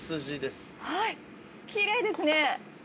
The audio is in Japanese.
きれいですね！